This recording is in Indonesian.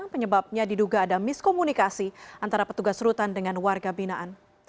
penyebabnya diduga ada miskomunikasi antara petugas rutan dengan warga binaan